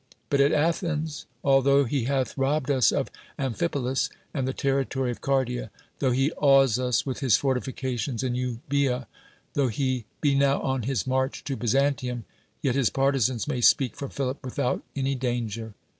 But at Athens, altho he hath ri)bb(d US of Amphipolis and the territory of (,'ardia ; tho he awes us with his fortifications in Kubcea; tho he be now on his march to Byzan tium; yet his partisans may speak for Philip without any danger.